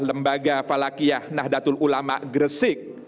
lembaga falakiyah nahdlatul ulama gresik